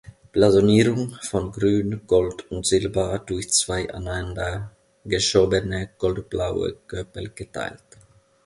Blasonierung: „Von Grün, Gold und Silber durch zwei aneinander geschobene gold-blaue Göpel geteilt.